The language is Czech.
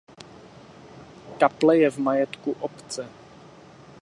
Kaple je v majetku obce.